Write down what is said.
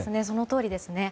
そのとおりです。